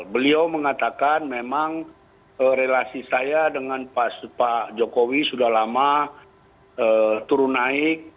beliau mengatakan memang relasi saya dengan pak jokowi sudah lama turun naik